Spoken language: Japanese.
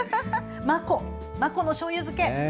真子のしょうゆ漬け。